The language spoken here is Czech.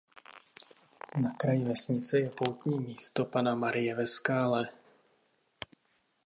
Na kraji vesnice je poutní místo panna Marie ve skále.